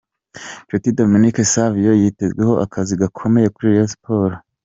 Nshuti Dominique Savio yitezweho akazi gakomeye kuri Rayon Sports.